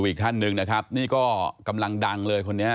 ดูอีกถ้านึงนี่ก็กำลังดังเลยคนนี้